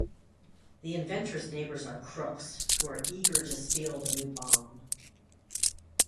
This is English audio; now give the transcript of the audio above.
The inventor's neighbors are crooks who are eager to steal the new bomb.